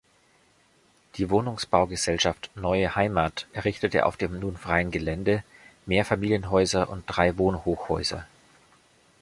Die Wohnungsbaugesellschaft "Neue Heimat" errichtete auf dem nun freien Gelände Mehrfamilienhäuser und drei Wohnhochhäuser.